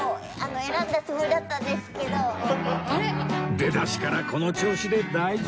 出だしからこの調子で大丈夫！？